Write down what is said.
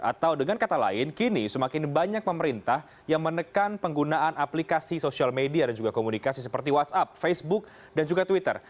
atau dengan kata lain kini semakin banyak pemerintah yang menekan penggunaan aplikasi sosial media dan juga komunikasi seperti whatsapp facebook dan juga twitter